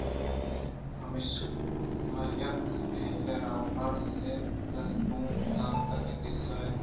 چمیشاں یکّے ءَ بہِیل ءَ را پُرس اِت دزّ ءَ چوں زانتگ کہ تئی سُہر